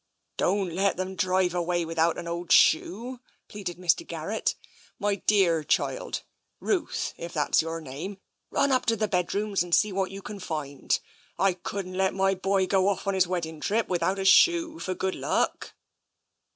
" Don't let them drive away without an old shoe !" 220 TENSION pleaded Mr. Garrett. " My dearr child — Ruth, if that's your name — run up to the bedrooms and see what you can find. I couldn't let my boy go off on his wedding trip without a shoe for good luck."